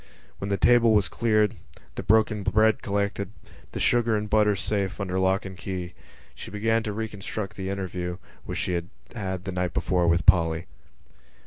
When the table was cleared, the broken bread collected, the sugar and butter safe under lock and key, she began to reconstruct the interview which she had had the night before with Polly.